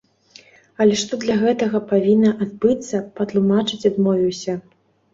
Але што для гэтага павінна адбыцца, патлумачыць адмовіўся.